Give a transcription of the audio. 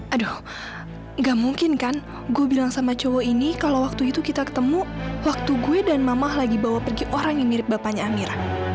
aduh gak mungkin kan gue bilang sama cowok ini kalau waktu itu kita ketemu waktu gue dan mamah lagi bawa pergi orang yang mirip bapaknya amir